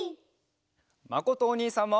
まことおにいさんも。